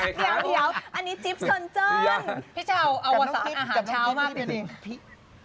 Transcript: เดี๋ยวอันนี้จิ๊บสนเจิน